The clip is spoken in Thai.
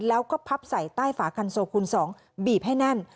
แล้วก็พับใส่ใต้ฝาคันโซคูณ๒บีบให้แน่น